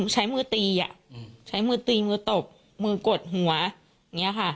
ใช้มือตีอ่ะใช้มือตีมือตบมือกดหัวเนี้ยค่ะ